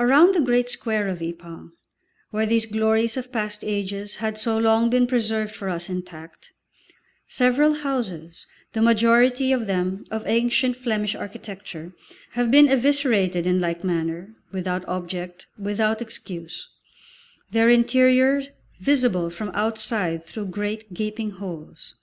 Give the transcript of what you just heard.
Around the great square of Ypres, where these glories of past ages had so long been preserved for us intact, several houses, the majority of them of ancient Flemish architecture, have been eviscerated in like manner, without object, without excuse, their interior visible from outside through great, gaping holes.